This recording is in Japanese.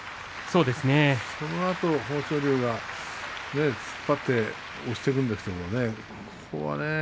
そのあと豊昇龍が突っ張って押していくんですよね。